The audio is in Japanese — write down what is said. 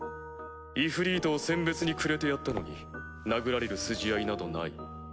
イフリートを餞別にくれてやったのに殴られる筋合いなどない。